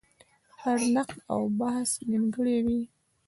هر نقد او بحث نیمګړی وي.